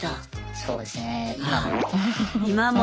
そうですね今も。